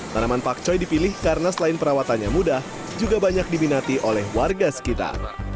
tanaman pakcoy dipilih karena selain perawatannya mudah juga banyak diminati oleh warga sekitar